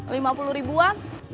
lima puluh ribuan